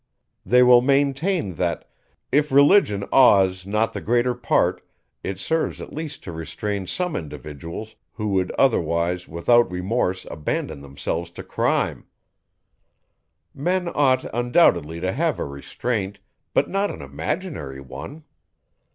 _ They will maintain, that _if religion awes not the greater part, it serves at least to restrain some individuals, who would otherwise without remorse abandon themselves to crime_. Men ought undoubtedly to have a restraint, but not an imaginary one.